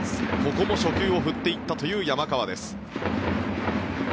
ここも初球を振っていったという山川です。